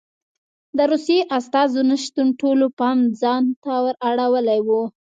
د روسیې استازو نه شتون ټولو پام ځان ته ور اړولی و